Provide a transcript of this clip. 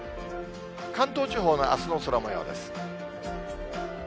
関東地方のあすの空もようです。